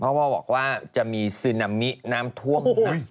เพราะว่าบอกว่าจะมีซึนามิน้ำท่วม